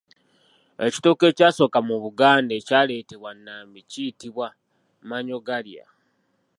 Ekitooke ekyasooka mu Buganda ekyaleetebwa Nnambi kiyitibwa mannyogalya.